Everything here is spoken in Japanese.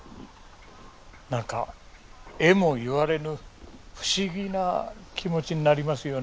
何かえも言われぬ不思議な気持ちになりますよね。